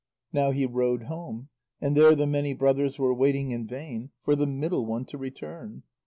Now he rowed home, and there the many brothers were waiting in vain for the middle one to return.